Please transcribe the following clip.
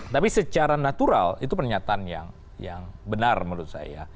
tapi secara natural itu pernyataan yang benar menurut saya